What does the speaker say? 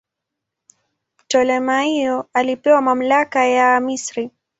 Ptolemaio alipewa mamlaka juu ya Misri.